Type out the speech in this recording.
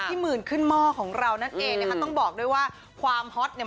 หมื่นขึ้นหม้อของเรานั่นเองนะคะต้องบอกด้วยว่าความฮอตเนี่ย